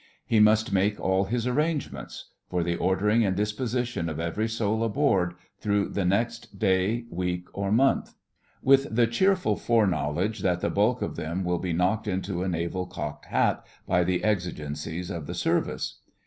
He must make all his arrangements; for the ordering and disposition of every soul aboard, through the next day, week or month; with the cheerful foreknowledge that the bulk of them will be knocked into a naval cocked hat by the exigencies of the service.